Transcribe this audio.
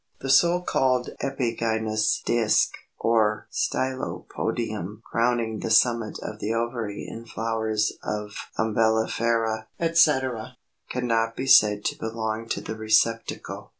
The so called epigynous disk (or STYLOPODIUM) crowning the summit of the ovary in flowers of Umbelliferæ, etc., cannot be said to belong to the receptacle.